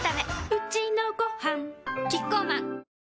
うちのごはんキッコーマン